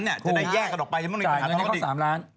จะได้แยกกันออกไปจะมีปัญหาต้องกดดิน